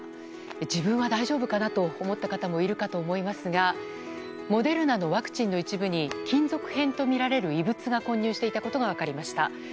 自分は大丈夫かなと思った方もいると思いますがモデルナのワクチンの一部に金属片とみられる異物が混入していたことが分かりました。